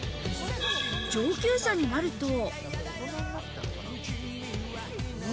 上級者になると。